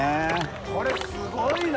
これすごいな！